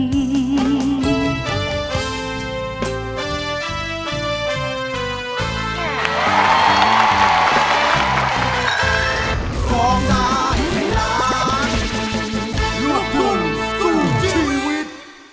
กินข้าวแซ่บบ่อผักผ่อนเพียงพ่อหรืองานหนักเกิน